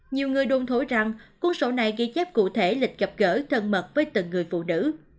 nhiều người đun thối rằng quân sổ này ghi chép cụ thể lịch gặp gỡ thân mật với từng người phụ nữ